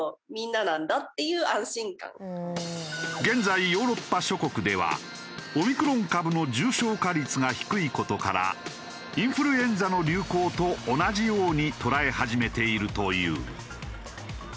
現在ヨーロッパ諸国ではオミクロン株の重症化率が低い事からインフルエンザの流行と同じように捉え始めているという。